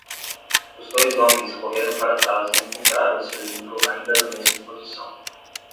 Os dois homens correram para trás e encontraram o cilindro ainda na mesma posição.